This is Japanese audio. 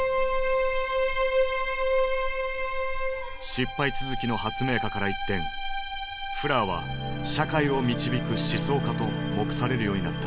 失敗続きの発明家から一転フラーは社会を導く思想家と目されるようになった。